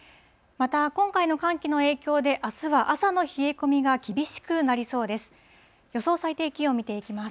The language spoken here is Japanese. また今回の寒気の影響で、あすは朝の冷え込みが厳しくなりそうです。